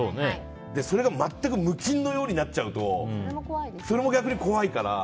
それが全く無菌のようになっちゃうとそれも逆に怖いから。